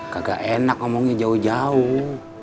kagak enak ngomongnya jauh jauh